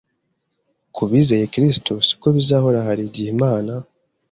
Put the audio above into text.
ku bizeye kristo siko bizahora hari igihe Imana